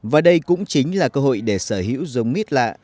và đây cũng chính là cơ hội để sở hữu giống mít lạ